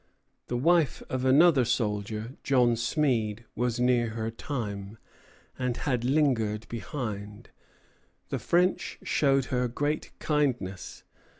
The wife of another soldier, John Smead, was near her time, and had lingered behind. The French showed her great kindness.